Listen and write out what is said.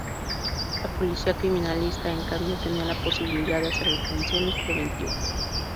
La policía criminalista en cambio tenía la posibilidad de hacer detenciones preventivas.